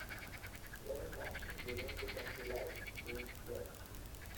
When his actions began to come to light, Beech fled.